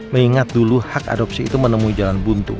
mengingat dulu hak adopsi itu menemui jalan buntu